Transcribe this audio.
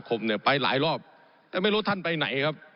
ผมอภิปรายเรื่องการขยายสมภาษณ์รถไฟฟ้าสายสีเขียวนะครับ